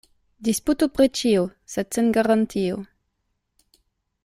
Disputu pri ĉio, sed sen garantio.